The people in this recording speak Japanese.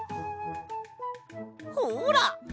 ほら！